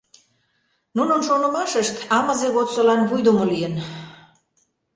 Нунын шонымашышт амызе годсылан вуйдымо лийын.